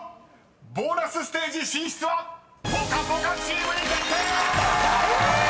［ボーナスステージ進出はぽかぽかチームに決定！］え！